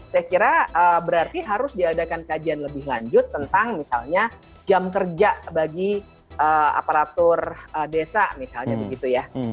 saya kira berarti harus diadakan kajian lebih lanjut tentang misalnya jam kerja bagi aparatur desa misalnya begitu ya